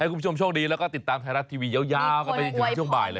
คุณผู้ชมโชคดีแล้วก็ติดตามไทยรัฐทีวียาวกันไปจนถึงช่วงบ่ายเลย